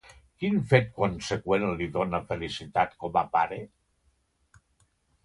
Quin fet conseqüent li dona felicitat com a pare?